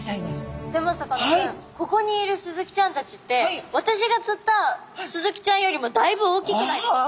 ここにいるスズキちゃんたちって私が釣ったスズキちゃんよりもだいぶ大きくないですか？